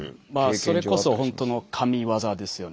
それこそ本当の神技ですよね。